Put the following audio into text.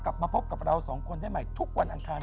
กลับมาพบกับเราสองคนได้ใหม่ทุกวันอังคาร